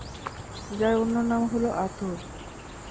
যার অন্য নাম হল আতর।